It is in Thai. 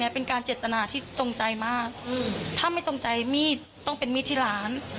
เป็นการเจตนาที่ตรงใจมากถ้าไม่ตรงใจมีดต้องเป็นมีดที่ร้าน